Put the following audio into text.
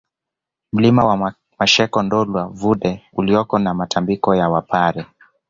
Mlima wa Masheko Ndolwa Vudee uliokuwa na Matambiko ya Wapare